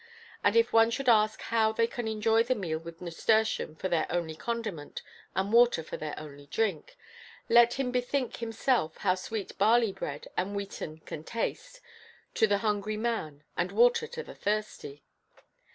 And if one should ask how they can enjoy the meal with nasturtium for their only condiment and water for their only drink, let him bethink himself how sweet barley bread and wheaten can taste to the hungry man and water to the thirsty.